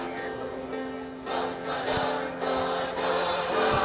bersih merakyat kerja